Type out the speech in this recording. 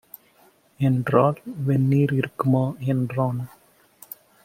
என்றாள். "வெந்நீர் இருக்குமா" என்றான்.